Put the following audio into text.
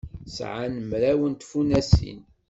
Sɛan mraw n tfunasin.